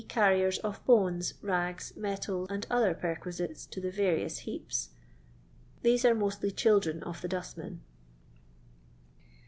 Carriers of of bones, rags, metal, and other perquisites to the various heaps; these are mostly children of the dustmen.